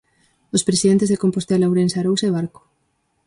Os presidentes de Compostela, Ourense, Arousa e Barco.